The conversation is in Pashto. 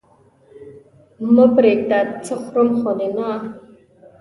مه پرېږده! څه خورم خو دې نه؟